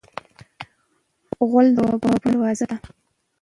غول د ځوابونو دروازه ده.